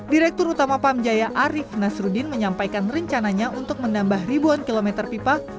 direktur utama pam jaya arief nasruddin menyampaikan rencananya untuk menambah ribuan kilometer pipa